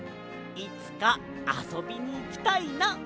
いつかあそびにいきたいな！」